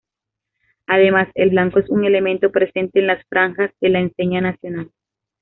Además, el blanco es un elemento presente en las franjas de la enseña nacional.